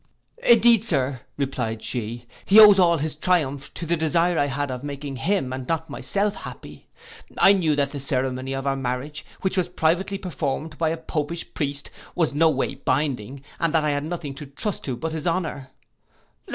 'Indeed, Sir,' replied she, 'he owes all his triumph to the desire I had of making him, and not myself, happy. I knew that the ceremony of our marriage, which was privately performed by a popish priest, was no way binding, and that I had nothing to trust to but his honour.